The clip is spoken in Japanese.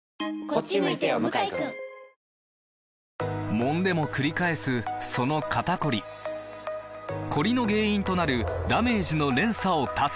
もんでもくり返すその肩こりコリの原因となるダメージの連鎖を断つ！